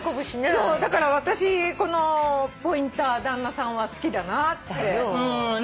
そうだから私このポインター旦那さんは好きだなって。